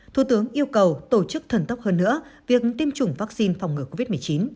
thủ tướng yêu cầu tổ chức thần tốc hơn nữa việc tiêm chủng vaccine phòng ngừa covid một mươi chín